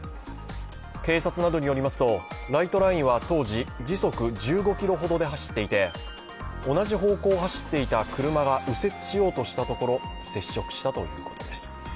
警察などによりますとライトラインは当時時速１５キロほどで走っていて同じ方向を走っていた車が右折しようとしたところ接触したということです。